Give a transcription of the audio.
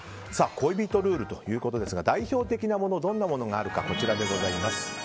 恋人ルールということですが代表的なものはどんなものがあるかこちらでございます。